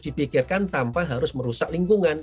dipikirkan tanpa harus merusak lingkungan